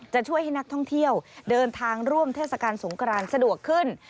จะช่วยให้นักท่องเที่ยวเดินทางร่วมเทศกาลสงกรานสะดวกขึ้น